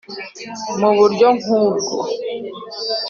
Mu buryo nk ubwo